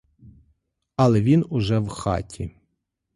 Але він уже в хаті.